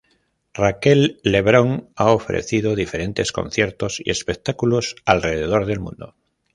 Raquel Lebrón ha ofrecido diferentes conciertos y espectáculos alrededor del mundo.